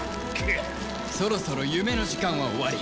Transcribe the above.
そろそろ夢の時間は終わり。